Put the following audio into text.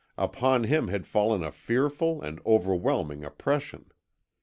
Upon him had fallen a fearful and overwhelming oppression.